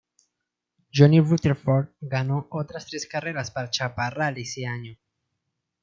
Johnny Rutherford ganó otras tres carreras para Chaparral ese año.